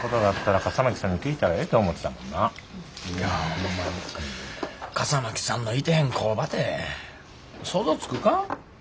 笠巻さんのいてへん工場て想像つくか？